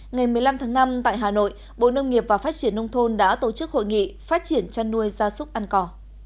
ngày một mươi năm tháng năm tại hà nội bộ nông nghiệp và phát triển nông thôn đã tổ chức hội nghị phát triển chăn nuôi gia súc ăn cỏ